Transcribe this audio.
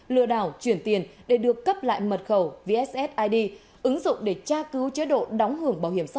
lừa đảo chuyển tiền để được cấp lại mật khẩu vssid ứng dụng để tra cứu chế độ đóng hưởng bảo hiểm xã hội